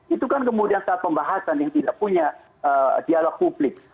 itu kan kemudian saat pembahasan yang tidak punya dialog publik